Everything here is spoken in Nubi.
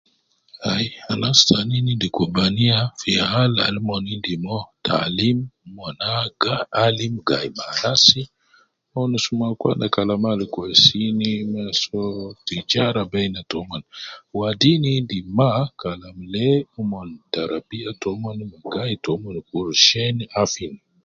Ayi anas tayi endis kubaniya fi Hal al umon endi mo taalim ,mon ag alim gayi ma anasi wonus ma akwana kalama Al kweis mon so tijara beina taumon. Wadin endi maa Kalam lee umon tarabiya taumon gayi taumon kulu sheni affin.